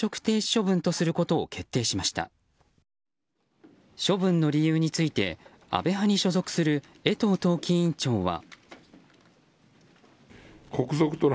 処分の理由について安倍派に所属する衛藤党紀委員長は。